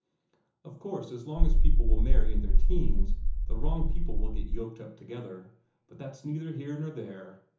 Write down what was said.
Of course, as long as people WILL marry in their teens, the wrong people will get yoked up together. But that's neither here nor there.